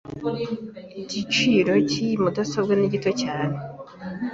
Igiciro cyiyi mudasobwa ni gito cyane.